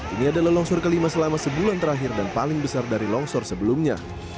ini adalah longsor kelima selama sebulan terakhir dan paling besar dari longsor sebelumnya